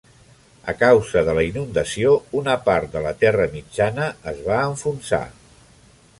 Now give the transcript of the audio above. A causa de la inundació una part de la terra mitjana es va enfonsar.